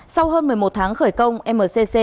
sau hơn một mươi một tháng khởi công mcc chưa hoàn thành